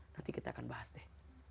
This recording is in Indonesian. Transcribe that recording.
nanti kita akan bahas deh